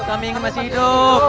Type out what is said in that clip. kami ingin masih hidup